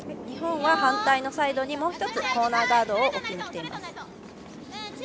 日本は反対サイドにもう１つコーナーガードを置きにきてます。